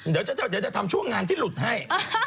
เดี๋ยวจะทำช่วงงานที่หลุดให้